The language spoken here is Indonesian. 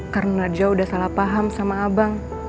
karena najwa udah salah paham sama abang